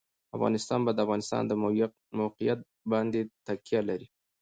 افغانستان په د افغانستان د موقعیت باندې تکیه لري.